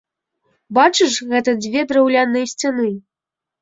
Бачыш гэтыя дзве драўляныя сцяны?